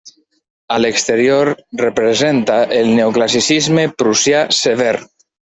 A l'exterior representa el neoclassicisme prussià sever.